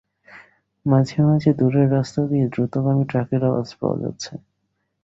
মাঝে-মাঝে দূরের রাস্তা দিয়ে দ্রুতগামী ট্রাকের আওয়াজ পাওয়া যাচ্ছে।